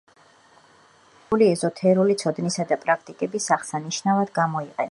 ეს ტერმინი ებრაული ეზოთერული ცოდნისა და პრაქტიკების აღსანიშნავად გამოიყენება.